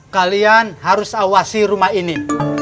kalian harus awasi rumah ini